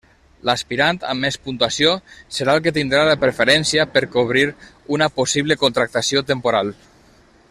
L'aspirant amb més puntuació serà el que tindrà la preferència per cobrir una possible contractació temporal.